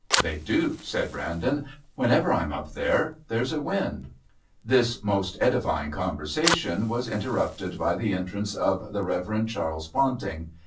"They do," said Brandon. "Whenever I'm up there there's a wind." This most edifying conversation was interrupted by the entrance of the Reverend Charles Ponting.